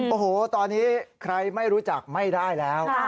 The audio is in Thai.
โอ้โหตอนนี้ใครไม่รู้จักไม่ได้แล้ว